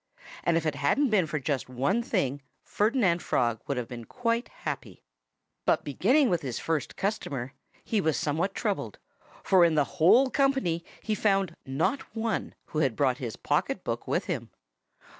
And if it hadn't been for just one thing Ferdinand Frog would have been quite happy. But beginning with his first customer, he was somewhat troubled; for in the whole company he found not one who had brought his pocket book with him.